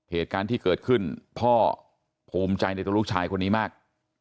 เหตุการณ์ที่เกิดขึ้นพ่อภูมิใจในตัวลูกชายคนนี้มาก